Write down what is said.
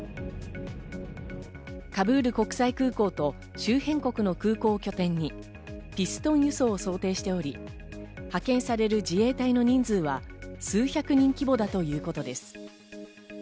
カブール国際空港と周辺国の空港を拠点にピストン輸送を想定しており、派遣される自衛隊の人数は数百人規模だということです。